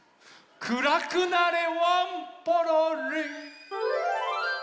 くらくなれワンポロリン！